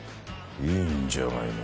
いいんじゃないの？